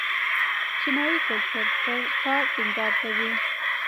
چینايي کلتور پر کار ټینګار کوي.